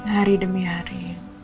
hari demi hari